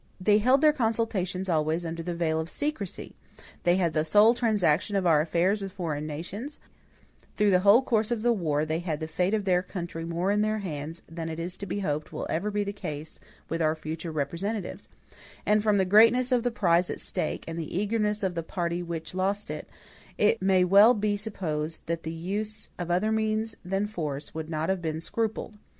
They held their consultations always under the veil of secrecy; they had the sole transaction of our affairs with foreign nations; through the whole course of the war they had the fate of their country more in their hands than it is to be hoped will ever be the case with our future representatives; and from the greatness of the prize at stake, and the eagerness of the party which lost it, it may well be supposed that the use of other means than force would not have been scrupled.